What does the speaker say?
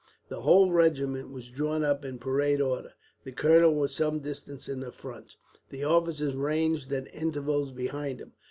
The whole regiment was drawn up in parade order. The colonel was some distance in the front, the officers ranged at intervals behind him.